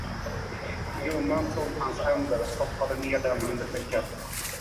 Gumman tog hans händer och stoppade ned dem under täcket.